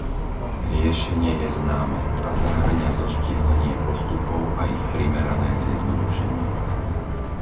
Riešenie je známe a zahŕňa zoštíhlenie postupov a ich primerané zjednodušenie.